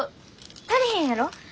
足りへんやろ？